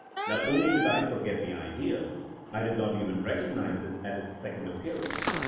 Not only did I forget the idea ; I did not even recognize it at its second appearance.